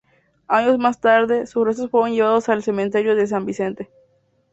Años más tarde, sus restos fueron llevados al cementerio de San Vicente.